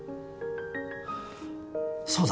そうだ。